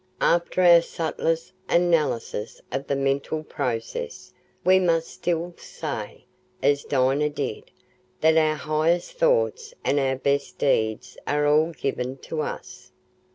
After our subtlest analysis of the mental process, we must still say, as Dinah did, that our highest thoughts and our best deeds are all given to us.